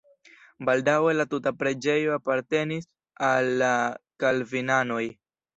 Baldaŭe la tuta preĝejo apartenis al la kalvinanoj.